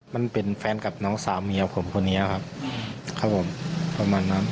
มันเป็นแฟนกับน้องสาวเมียผมคนนี้ครับครับผมประมาณนั้น